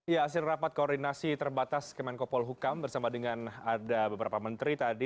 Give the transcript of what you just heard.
ya asil rapat koordinasi terbatas kemenko polhukam bersama dengan ada beberapa menteri tadi